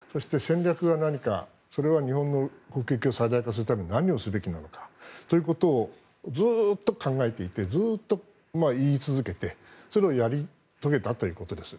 そして、戦略が何かそれは日本の国益を最大化するためには何をすべきなのかということをずっと考えていてずっと言い続けて、それをやり遂げたということです。